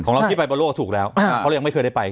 ของเราคิดไปบอลโลกถูกแล้วเขายังไม่เคยได้ไป